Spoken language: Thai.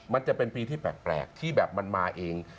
มันจะเป็นปีที่แปลกที่แบบมันมาเอง